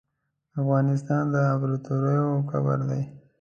افغانستان د امپراتوریو قبر ده .